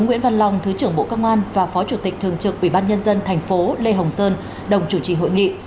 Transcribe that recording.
nguyễn văn long thứ trưởng bộ công an và phó chủ tịch thường trực ubnd tp lê hồng sơn đồng chủ trì hội nghị